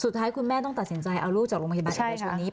สุดท้ายคุณแม่ต้องตัดสินใจเอาลูกจากโรงพยาบาลเอกชนนี้